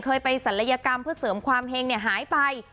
เคยไปศัลยกรรมเพื่อเสริมความเฮงหายไป